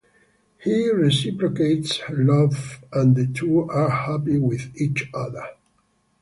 He reciprocates her love and the two are happy with each other.